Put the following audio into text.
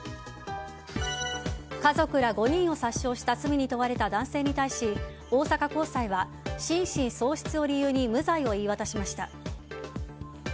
家族ら５人を殺傷した罪に問われた男性に対し大阪高裁は心神喪失を理由に無罪を言い渡しました。